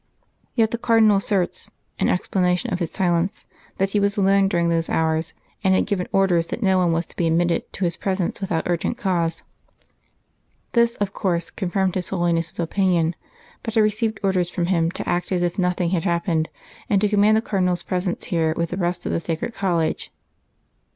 Yet the Cardinal asserts, in explanation of his silence, that he was alone during those hours, and had given orders that no one was to be admitted to his presence without urgent cause. This, of course, confirmed His Holiness's opinion, but I received orders from Him to act as if nothing had happened, and to command the Cardinal's presence here with the rest of the Sacred College.